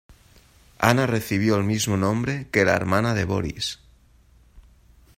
Ana recibió el mismo nombre que la hermana de Boris.